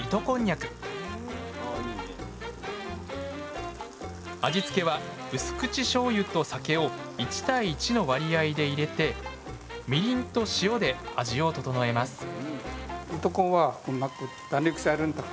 こんにゃく味付けは薄口しょうゆと酒を１対１の割合で入れてみりんと塩で味を調えます